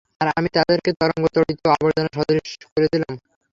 আর আমি তাদেরকে তরঙ্গ-তাড়িত আবর্জনা সদৃশ করে দিলাম।